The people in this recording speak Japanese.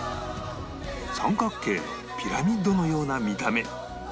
三角形のピラミッドのような見た目